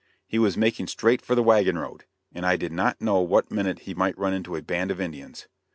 He was making straight for the wagon road, and I did not know what minute he might run into a band of Indians.